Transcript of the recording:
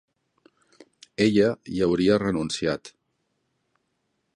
Ella hi hauria renunciat.